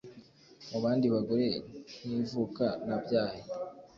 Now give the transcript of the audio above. Mu bandi bagore, nkivuka nabyaye,